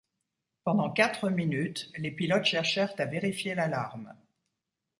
Pendant quatre minutes, les pilotes cherchèrent à vérifier l'alarme.